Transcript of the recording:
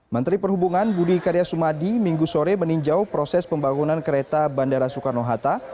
menteri perhubungan budi karya sumadi minggu sore meninjau proses pembangunan kereta bandara soekarno hatta